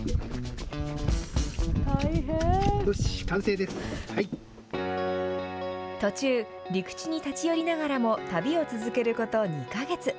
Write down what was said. よし、途中、陸地に立ち寄りながらも、旅を続けること２か月。